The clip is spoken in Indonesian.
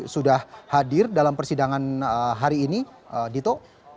sudah hadir dalam persidangan hari ini dito